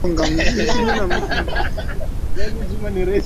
Kulikuwa na viwanja vya michezo na sehemu ya kuketi watu